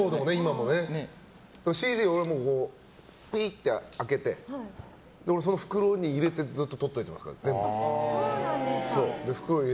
ＣＤはピーって開けてその袋に入れて、ずっととっておいてますから、全部。